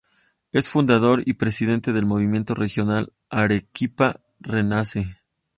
Es fundador y presidente del Movimiento Regional Arequipa Renace.